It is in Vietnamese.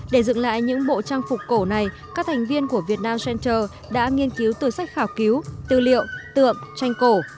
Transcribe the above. để dựng lại những bộ trang phục cổ này các thành viên của việt nam center đã nghiên cứu từ sách khảo cứu tư liệu tượng tranh cổ